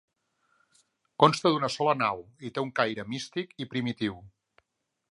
Consta d'una sola nau i té un caire místic i primitiu.